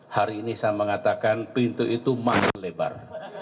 hari ini saya mengatakan pintu itu makin lebar